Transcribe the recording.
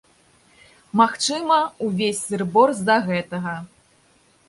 Магчыма, увесь сыр-бор з-за гэтага.